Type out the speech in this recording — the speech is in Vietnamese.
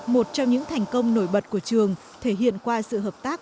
một trong những thành công nổi bật của trường thể hiện qua sự hợp tác